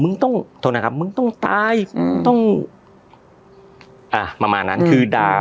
มึงต้องโทษนะครับมึงต้องตายอืมต้องอ่ะประมาณนั้นคือด่า